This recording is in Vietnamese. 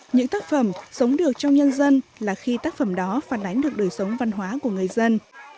những tác phẩm sống được trong nhân dân là khi tác phẩm đó phản ánh được đời sống văn hóa của người dân